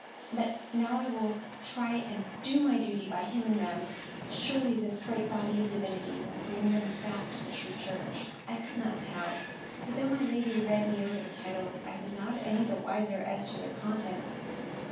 But now I will try and do my duty by him and them. Surely this great body of divinity will bring them back to the true church." I could not tell, for though my lady read me over the titles, I was not any the wiser as to their contents.